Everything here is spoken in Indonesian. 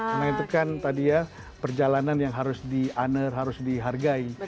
karena itu kan tadi ya perjalanan yang harus di honor harus dihargai